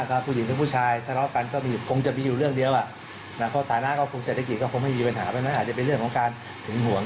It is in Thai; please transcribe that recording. เดี๋ยวเราคงจะเรียกเข้ามาแล้วก็แจ้งประหาเพิ่มเติม